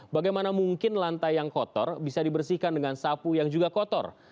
bagaimana mungkin lantai yang kotor bisa dibersihkan dengan sapu yang juga kotor